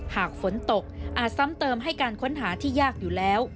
หากฝนตกอาจซ้ำเติมให้การค้นหาที่ยากอยู่แล้ว